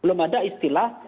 belum ada istilah